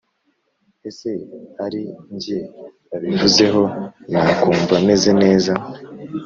ese ari nge babivuzeho nakumva meze neza?